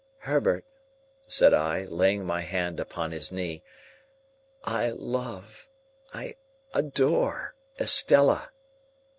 "Herbert," said I, laying my hand upon his knee, "I love—I adore—Estella."